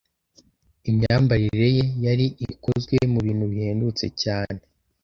Imyambarire ye yari ikozwe mubintu bihendutse cyane.